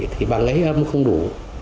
thì bằng ấy âm không đủ